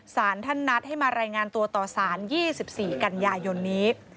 สารท่านนัดให้มารายงานตัวต่อสาร๒๔กันยายนนี้